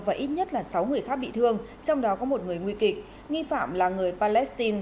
và ít nhất là sáu người khác bị thương trong đó có một người nguy kịch nghi phạm là người palestine